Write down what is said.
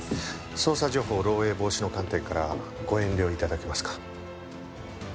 捜査情報漏洩防止の観点からご遠慮頂けますか。